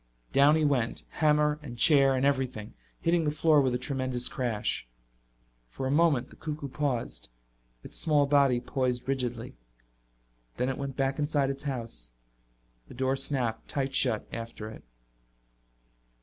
Down he went, hammer and chair and everything, hitting the floor with a tremendous crash. For a moment the cuckoo paused, its small body poised rigidly. Then it went back inside its house. The door snapped tight shut after it.